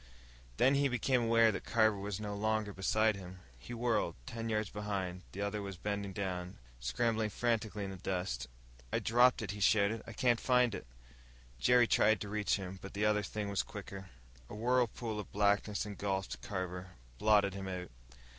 Then he became aware that Carver was no longer beside him. He whirled. Ten yards behind, the other was bending down, scrabbling frantically in the dust. "I dropped it!" he shouted. "I can't find it!" Jerry tried to reach him, but the other thing was quicker. A whirlpool of blackness engulfed Carver, blotted him out.